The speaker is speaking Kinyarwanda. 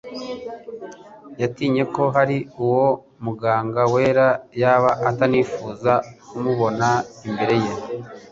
yatinye ko ahari uwo Muganga wera yaba atanifuza kumubona imbere ye.